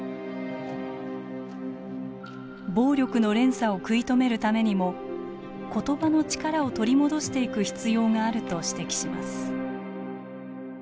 暴力の連鎖を食い止めるためにも言葉の力を取り戻していく必要があると指摘します。